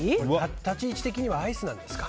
立ち位置的にはアイスなんですか？